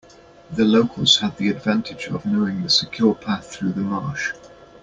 The locals had the advantage of knowing the secure path through the marsh.